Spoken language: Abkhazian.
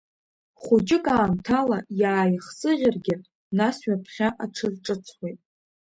Хәыҷык аамҭала иааихсыӷьыргьы, нас ҩаԥхьа аҽарҿыцуеит.